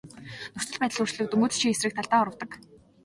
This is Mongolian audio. Нөхцөл байдал өөрчлөгдөнгүүт чи эсрэг талдаа урвадаг.